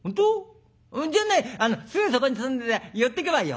じゃあねすぐそこに住んでて寄ってけばいいよ」。